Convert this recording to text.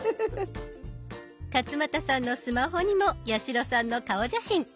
勝俣さんのスマホにも八代さんの顔写真。